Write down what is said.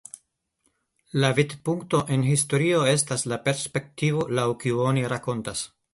La vidpunkto en historio estas la perspektivo laŭ kiu oni rakontas.